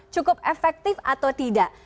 cukup efektif atau tidak